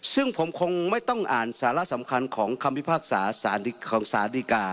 ซึ่งผมคงไม่ต้องอ่านสาระสำคัญของคำพิพากษาของสารดีกา